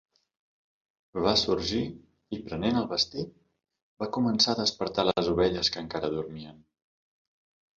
Va sorgir i, prenent el bastí, va començar a despertar les ovelles que encara dormien.